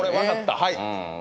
はい！